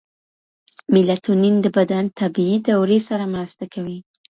میلاټونین د بدن طبیعي دورې سره مرسته کوي.